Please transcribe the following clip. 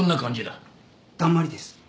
だんまりです。